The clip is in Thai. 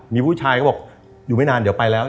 มีผู้ชายเขาบอกอยู่ไม่นานเดี๋ยวไปแล้ว